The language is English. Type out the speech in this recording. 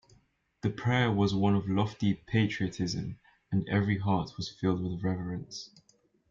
The prayer was one of lofty patriotism and every heart was filled with reverence.